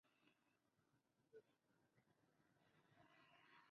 There are two major facies encompassed by the Edinburg Formation.